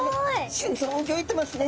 心臓うギョいてますね！